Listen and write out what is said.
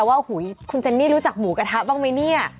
สมมตินี่เขาบอกว่าคุณเจนนี่รู้จักหูกระทะบ้างมั้ยเนี่ย